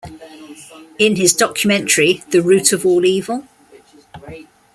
In his documentary The Root of All Evil?